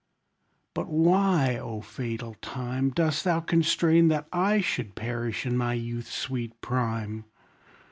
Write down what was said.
But why, O fatal time, Dost thou constrain that I Should perish in my youth's sweet prime?